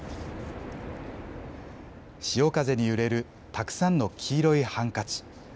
潮風に揺れるたくさんの黄色いハンカチ。